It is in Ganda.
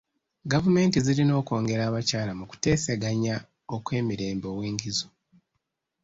Gavumenti zirina okwongera abakyala mu kuteesaganya okw'emirembe ow'enkizo.